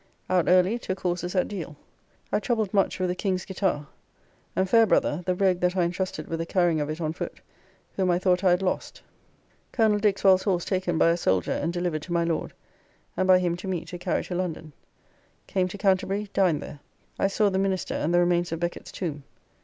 Out early, took horses at Deale. I troubled much with the King's gittar, and Fairbrother, the rogue that I intrusted with the carrying of it on foot, whom I thought I had lost. Col. Dixwell's horse taken by a soldier and delivered to my Lord, and by him to me to carry to London. Came to Canterbury, dined there. I saw the minster and the remains of Becket's tomb.